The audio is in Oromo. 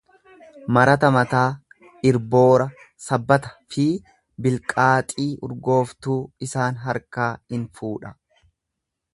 Marata mataa, irboora, sabbata fi bilqaaxii urgooftuu isaan harkaa in fuudha.